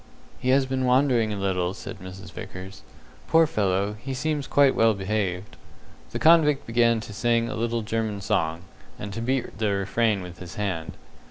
"He has been wandering a little," said Mrs. Vickers. "Poor fellow, he seems quite well behaved." The convict began to sing a little German song, and to beat the refrain with his hand.